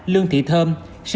lương thị thơm